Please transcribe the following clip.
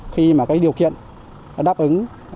khi điều kiện đáp ứng